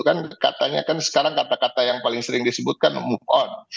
kan katanya kan sekarang kata kata yang paling sering disebutkan move on